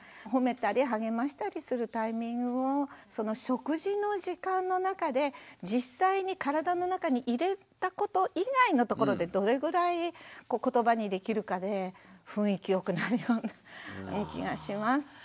ほめたり励ましたりするタイミングをその食事の時間の中で実際に体の中に入れたこと以外のところでどれぐらい言葉にできるかで雰囲気よくなるような気がします。